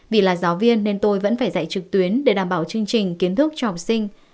vì là giáo viên nên tôi vẫn phải dạy trực tuyến để đảm bảo chương trình kiến thức cho học sinh